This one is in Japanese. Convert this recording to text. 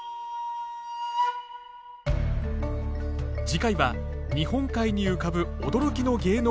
次回は日本海に浮かぶ驚きの芸能